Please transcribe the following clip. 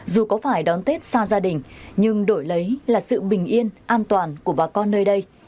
dù có phải đón tết xa gia đình nhưng đổi lấy là sự bình yên an toàn của bà con nơi đây